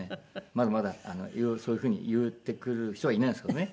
まだまだいろいろそういう風に言ってくる人はいないんですけどね。